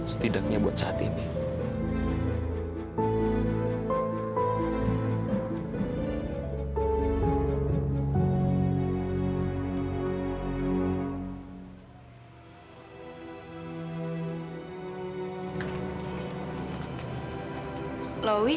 setidaknya buat saat ini